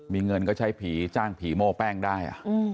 มีเงินก็ใช้ผีจ้างผีโม้แป้งได้